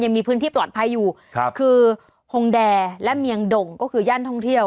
ยังมีพื้นที่ปลอดภัยอยู่ครับคือฮงแดและเมียงด่งก็คือย่านท่องเที่ยว